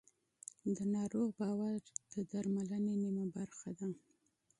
د ناروغ باور د درملنې نیمه برخه ده.